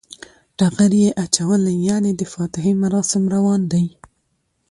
ټغر یی اچولی یعنی د فاتحی مراسم روان دی